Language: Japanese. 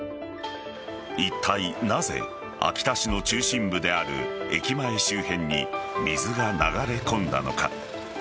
いったいなぜ秋田市の中心部である駅前周辺に水が流れ込んだのか。